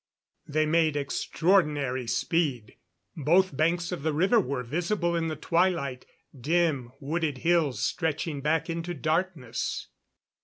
They made extraordinary speed. Both banks of the river were visible in the twilight dim, wooded hills stretching back into darkness.